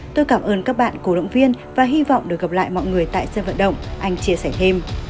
tôi cảm ơn các bạn cổ động viên và hy vọng được gặp lại mọi người tại sân vận động anh chia sẻ thêm